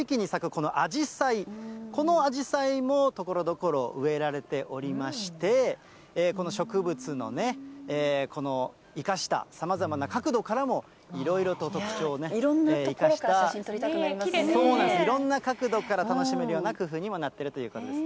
このあじさい、このあじさいもところどころ植えられておりまして、この植物のね、生かしたさまざまな角度からも、いろいろと特徴をね、いろんな所から写真撮りたくそうなんです、いろんな角度から楽しめる工夫にもなっているということです。